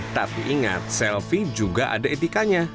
tapi ingat selfie juga ada etikanya